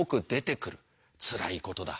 つらいことだ。